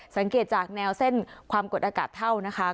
สังเกตจากแนวเส้นความกดอากาศเท่านะคะ